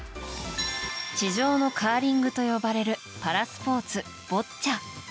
地上のカーリングと呼ばれるパラスポーツ、ボッチャ。